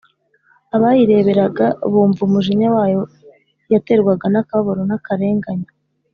abayireberaga, bumva umujinya wayo yaterwaga n' akababaro n'akarenganyo,